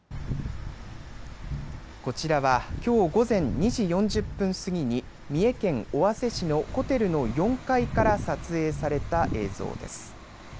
こちらはきょう午前２時４０分過ぎに三重県尾鷲市のホテルの４階から撮影された映像です。